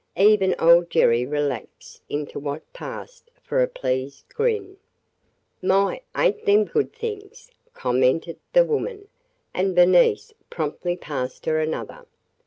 Even old Jerry relaxed into what passed for a pleased grin. "My! ain't them things good!" commented the woman, and Bernice promptly passed her another.